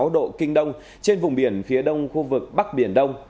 một trăm một mươi chín sáu độ kinh đông trên vùng biển phía đông khu vực bắc biển đông